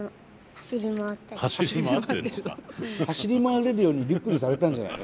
走り回れるようにリュックにされたんじゃないの？